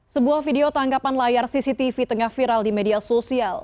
sebuah video tangkapan layar cctv tengah viral di media sosial